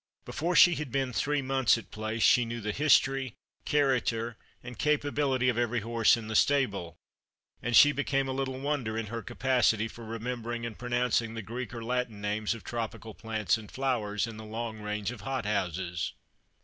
Before she had been three months at Place she knew the history, character, and capability of every horse in the stable ; and she became a little wonder in her capacity for remembering and pronouncing the Greek or Latin names of tropical plants and flowers in the long range of hot houses.